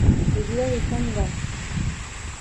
اوجره یې څنګه؟